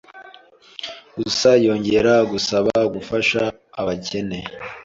Gusa yongera gusaba gufasha abakene